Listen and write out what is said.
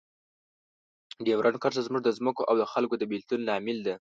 ډیورنډ کرښه زموږ د ځمکو او خلکو د بیلتون لامل ده.